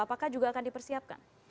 apakah juga akan dipersiapkan